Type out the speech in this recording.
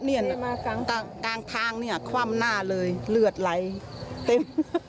เซมาข้างทางขว่ำหน้าเลยเลือดไหลเต็ม